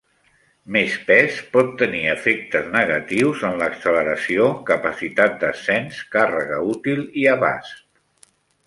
Més pes pot tenir efectes negatius en l'acceleració, capacitat d'ascens, càrrega útil i abast.